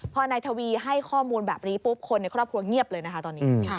พอนายทวีให้ข้อมูลแบบนี้ปุ๊บคนในครอบครัวเงียบเลยนะคะตอนนี้